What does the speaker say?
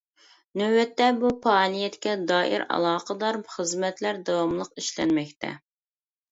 نۆۋەتتە بۇ پائالىيەتكە دائىر ئالاقىدار خىزمەتلەر داۋاملىق ئىشلەنمەكتە.